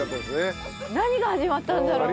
何が始まったんだろう？って。